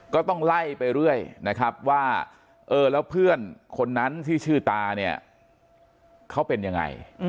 ก็ต้องไล่ไปเรื่อยนะครับว่าเออแล้วเพื่อนคนนั้นที่ชื่อตาเนี่ยเขาเป็นยังไง